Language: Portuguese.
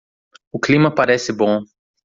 O clima parece bom.